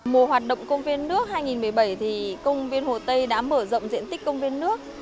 mùa hoạt động công viên nước hai nghìn một mươi bảy thì công viên hồ tây đã mở rộng diện tích công viên nước